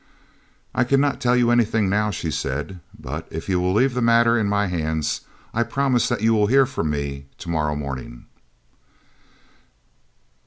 "I cannot tell you anything now," she said, "but if you will leave the matter in my hands I promise that you will hear from me to morrow morning."